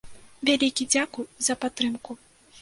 Вялікі дзякуй за падтрымку.